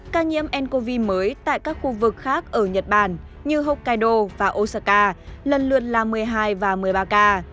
ca nhiễm ncov mới tại các khu vực khác ở nhật bản như hokkaido và osaka lần lượt là một mươi hai và một mươi ba ca